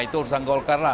itu urusan golkar lah